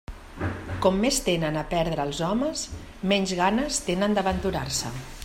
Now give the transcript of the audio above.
Com més tenen a perdre els homes, menys ganes tenen d'aventurar-se.